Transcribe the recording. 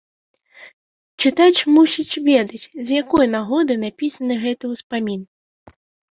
Чытач мусіць ведаць, з якой нагоды напісаны гэты ўспамін.